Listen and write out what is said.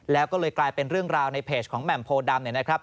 แล้วก็เลยกลายเป็นเรื่องราวในเพจของแหม่มโพดำเนี่ยนะครับ